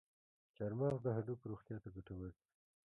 چارمغز د هډوکو روغتیا ته ګټور دی.